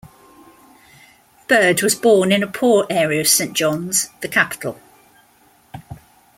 Bird was born in a poor area of Saint John's, the capital.